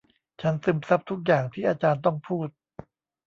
ฉันซึมซับทุกอย่างที่อาจารย์ต้องพูด